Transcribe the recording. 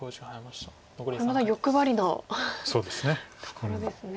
これまた欲張りなところですね。